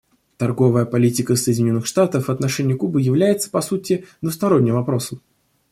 Торговая политика Соединенных Штатов в отношении Кубы является, по сути, двусторонним вопросом.